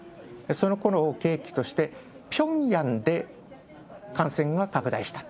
そのころを契機として、ピョンヤンで感染が拡大した。